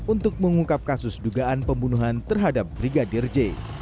untuk mengungkap kasus dugaan pembunuhan terhadap brigadir j